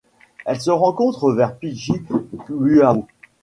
Elle se rencontre vers Pijiguaos.